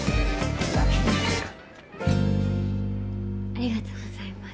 ありがとうございます。